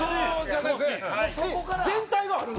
全体があるの？